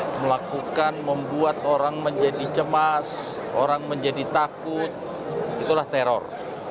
yang melakukan membuat orang menjadi cemas orang menjadi takut itulah teror